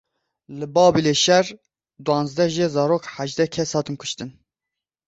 Li Babilê şer duwazdeh jê zarok hejdeh kes hatin kuştin.